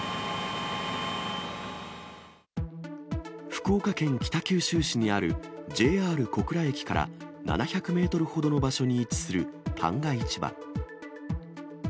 福岡県北九州市にあるＪＲ小倉駅から７００メートルほどの場所に位置する旦過市場。